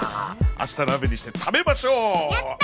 明日鍋にして食べましょうやった！